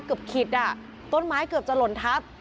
ขิดอ่ะต้นไม้เกือบจะหล่นทับ